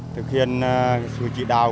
thực hiện sự trị đào